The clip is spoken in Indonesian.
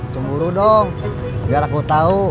cemburu dong biar aku tahu